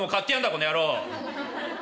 この野郎」。